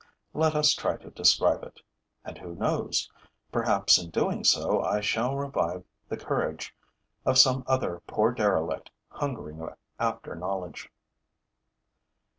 Let us try to describe it. And who knows? Perhaps, in doing so, I shall revive the courage of some other poor derelict hungering after knowledge.